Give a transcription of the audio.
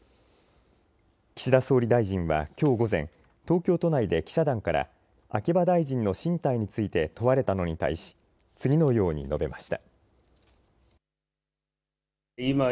岸田総理大臣はきょう午前、東京都内で記者団から秋葉大臣の進退について問われたのに対し次のように述べました。